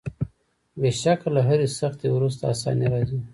بېشکه له هري سختۍ وروسته آساني راځي.